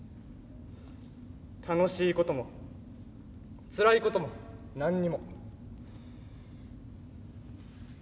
楽しいこともつらいことも何にも。